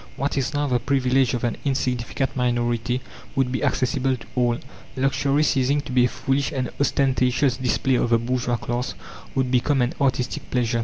What is now the privilege of an insignificant minority would be accessible to all. Luxury, ceasing to be a foolish and ostentatious display of the bourgeois class, would become an artistic pleasure.